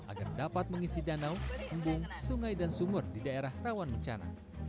agar dapat mengisi danau embung sungai dan sumur di daerah rawan bencana